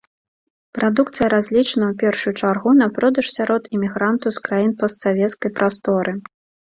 Прадукцыя разлічана ў першую чаргу на продаж сярод імігрантаў з краін постсавецкай прасторы.